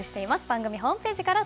番組ホームページから